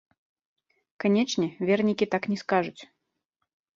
Канечне, вернікі так не скажуць.